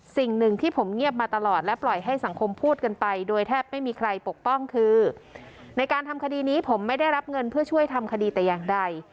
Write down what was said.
สิ่งหนึ่งที่ผมเงียบมาตลอดและปล่อยให้สังคมพูดกันไปโดยแทบไม่มีใครปกป้องคือในการทำคดีนี้ผมไม่ได้รับเงินเพื่อช่วยทำคดีแต่อย่างใด